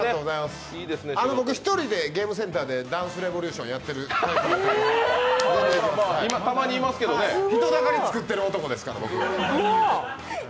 僕１人でゲームセンターで「ダンスレボリューション」やってる人だかり作ってる男ですから。